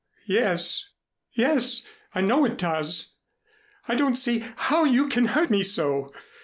"Yes, yes; I know it does. I don't see how you can hurt me so.